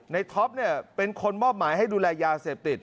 ท็อปเนี่ยเป็นคนมอบหมายให้ดูแลยาเสพติด